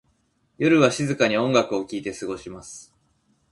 夜は静かに音楽を聴いて過ごします。